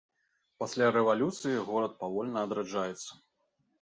Пасля рэвалюцыі горад павольна адраджаецца.